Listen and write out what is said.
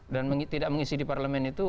dan tidak mengisi di parlemen itu